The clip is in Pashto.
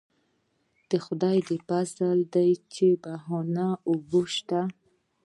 د خدای فضل دی چې بهانده اوبه شته.